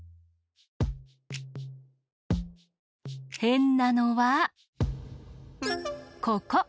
へんなのはここ！